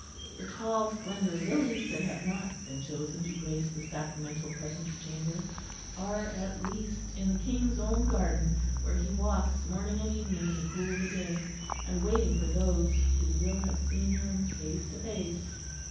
The tall slender lilies that have not been chosen to grace the sacramental Presence Chamber, are at least in the King's own garden, where He walks morning and evening in the cool of the day; and waiting for those who will have seen Him face to face....